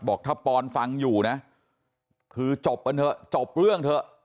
บอกถ้าปอนฟังอยู่นะคือจบกันเถอะจบเรื่องเถอะ